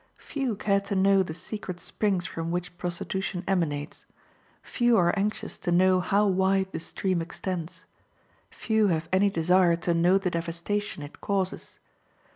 Few care to know the secret springs from which prostitution emanates; few are anxious to know how wide the stream extends; few have any desire to know the devastation it causes.